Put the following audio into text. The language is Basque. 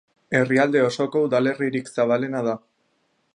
Herrialde osoko udalerririk zabalena da.